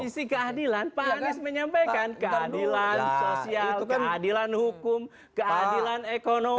sisi keadilan pak anies menyampaikan keadilan sosial keadilan hukum keadilan ekonomi